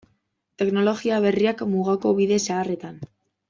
Teknologia berriak mugako bide zaharretan.